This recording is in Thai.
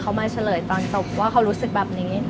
เขามาเฉลยตอนตบว่าเขารู้สึกแบบนี้